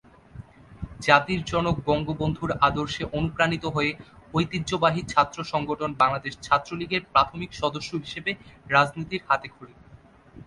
জাতির জনক বঙ্গবন্ধুর আদর্শে অনুপ্রাণিত হয়ে ঐতিহ্যবাহী ছাত্র সংগঠন বাংলাদেশ ছাত্র লীগের প্রাথমিক সদস্য হিসেবে রাজনীতির হাতেখড়ি।